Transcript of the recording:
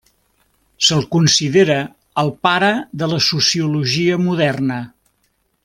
Se'l considera el pare de la sociologia moderna.